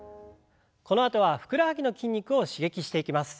このあとはふくらはぎの筋肉を刺激していきます。